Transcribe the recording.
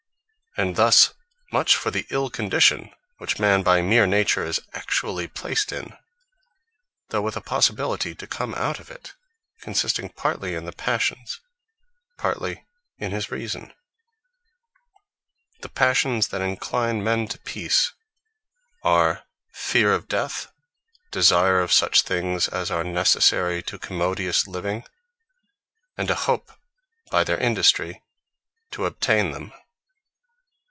And thus much for the ill condition, which man by meer Nature is actually placed in; though with a possibility to come out of it, consisting partly in the Passions, partly in his Reason. The Passions That Incline Men To Peace The Passions that encline men to Peace, are Feare of Death; Desire of such things as are necessary to commodious living; and a Hope by their Industry to obtain them.